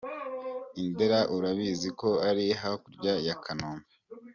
I Ndera urabizi ko ari hakurya ya Kanombe.